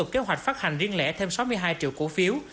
kế hoạch phát hành riêng lẻ thêm sáu mươi hai triệu cổ phiếu